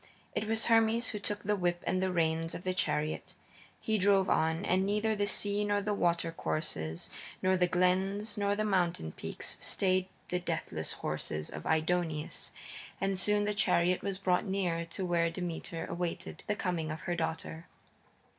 It was Hermes who took the whip and the reins of the chariot. He drove on, and neither the sea nor the water courses, nor the glens nor the mountain peaks stayed the deathless horses of Aidoneus, and soon the chariot was brought near to where Demeter awaited the coming of her daughter.